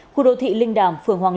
khu đô thị linh đàm phường hoàng nghệ